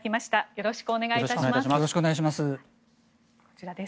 よろしくお願いします。